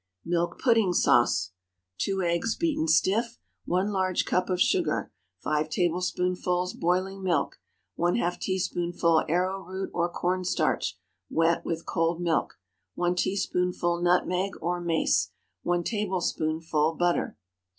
MILK PUDDING SAUCE. ✠ 2 eggs, beaten stiff. 1 large cup of sugar. 5 tablespoonfuls boiling milk. ½ teaspoonful arrow root or corn starch, wet with cold milk. 1 teaspoonful nutmeg, or mace. 1 tablespoonful butter.